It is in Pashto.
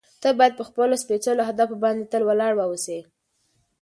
ته باید په خپلو سپېڅلو اهدافو باندې تل ولاړ واوسې.